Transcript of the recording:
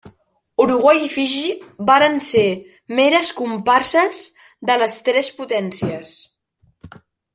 Uruguai i Fiji varen ser meres comparses de les tres potències.